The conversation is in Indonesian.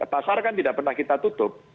pasar kan tidak pernah kita tutup